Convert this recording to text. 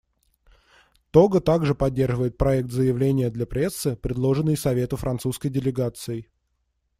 Того также поддерживает проект заявления для прессы, предложенный Совету французской делегацией.